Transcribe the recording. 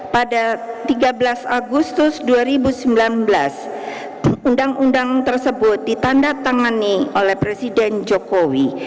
pada tiga belas agustus dua ribu sembilan belas undang undang tersebut ditanda tangani oleh presiden jokowi